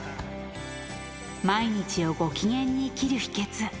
毎日をご機嫌に生きる秘けつ。